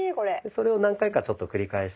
それを何回かちょっと繰り返して頂いて。